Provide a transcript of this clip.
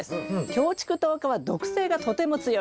キョウチクトウ科は毒性がとても強いです。